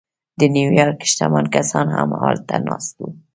د نیویارک شتمن کسان هم هلته ناست وو